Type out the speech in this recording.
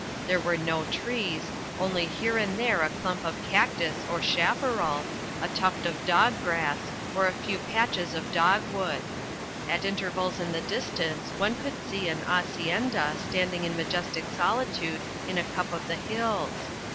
There were no trees only here and there a clump of cactus or chaparral, a tuft of dog grass or a few patches of dogwood. At intervals in the distance one could see a hacienda standing in majestic solitude in a cup of the hills.